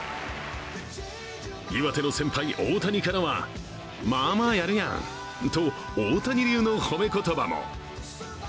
岩手の先輩・大谷からはまあまあやるやんと大谷流の褒め言葉も。